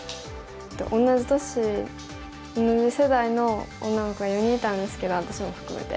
同じ年同じ世代の女の子が４人いたんですけど私も含めて。